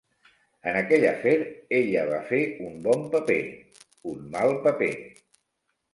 En aquell afer, ella va fer un bon paper, un mal paper.